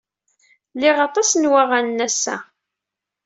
Liɣ aṭas n waɣanen ass-a.